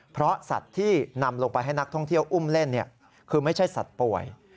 เพราะสัตว์ที่นำลงไปให้นักท่องเที่ยวอุ้มเล่นคือไม่ใช่สัตว์ป่วย